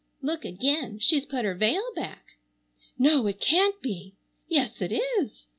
Look again. She's put her veil back. No, it can't be! Yes, it is!